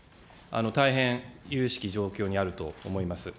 大変ゆゆしき状況にあると思います。